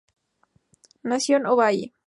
Nació en Ovalle.